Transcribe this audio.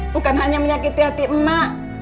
bukan hanya menyakiti hati emak